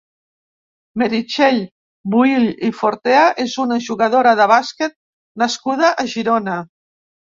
Meritxell Buil i Fortea és una jugadora de bàsquet nascuda a Girona.